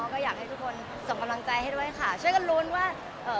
ก็อยากให้ทุกคนส่งกำลังใจให้ด้วยค่ะช่วยกันลุ้นว่าเอ่อ